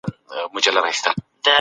د ژوند حق بايد ضايع نه سي.